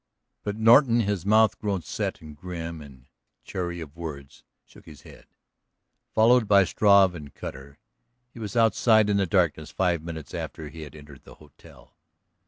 But Norton, his mouth grown set and grim and chary of words, shook his head. Followed by Struve and Cutter he was outside in the darkness five minutes after he had entered the hotel.